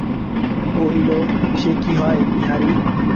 কহিল, সে কি হয়, বিহারী।